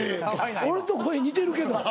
俺と声似てるけど。